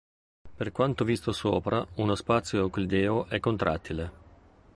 Per quanto visto sopra, uno spazio euclideo è contrattile.